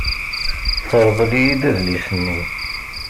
Terḍel-iyi-d adlis-nni.